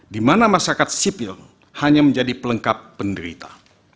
di mana masyarakat sipil hanya menjadi pelengkap penderita